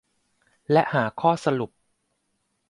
และหาข้อสรุป